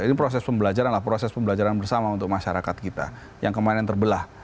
ini proses pembelajaran lah proses pembelajaran bersama untuk masyarakat kita yang kemarin terbelah